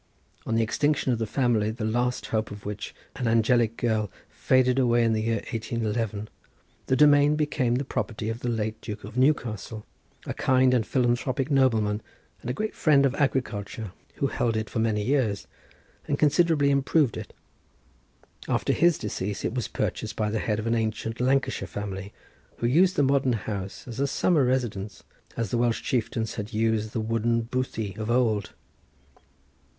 On the extinction of the family, the last hope of which, an angelic girl, faded away in the year 1811, the domain became the property of the late Duke of Newcastle, a kind and philanthropic nobleman and a great friend of agriculture, who held it for many years and considerably improved it. After his decease it was purchased by the head of an ancient Lancashire family, who used the modern house as a summer residence, as the Welsh chieftains had used the wooden boothie of old.